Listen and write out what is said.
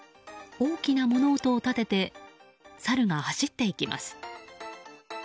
大きな物音を立ててサルが走っていきます。